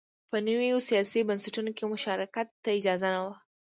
په نویو سیاسي بنسټونو کې مشارکت ته اجازه نه وه